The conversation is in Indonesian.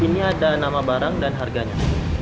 ini ada nama barang dan harganya